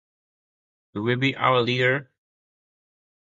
Who will be our leader?